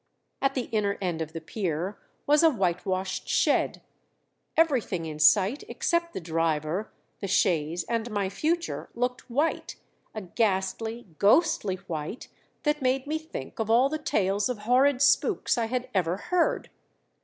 At the inner end of the pier was a white washed shed. Everything in sight except the driver, the chaise, and my future looked white a ghastly, ghostly white that made me think of all the tales of horrid spooks I had ever heard.